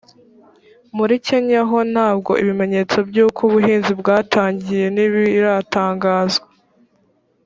muri kenya ho ntabwo ibimenyetso by uko ubuhinzi bwatangiye ntibiratangazwa